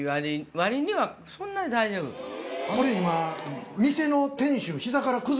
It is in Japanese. これ今。